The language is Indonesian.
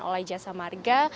oleh jasa marga